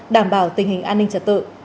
đảm bảo tình hình an ninh trật tự